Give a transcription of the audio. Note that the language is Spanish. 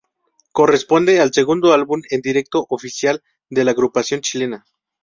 Corresponde al segundo álbum en directo oficial de la agrupación chilena.